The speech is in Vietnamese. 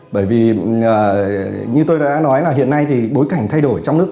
bởi vì như tôi đã nói hiện nay bối cảnh thay đổi trong nước